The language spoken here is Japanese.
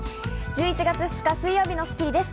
１１月２日、水曜日の『スッキリ』です。